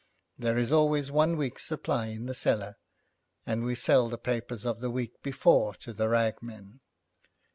There is always one week's supply in the cellar, and we sell the papers of the week before to the rag men.'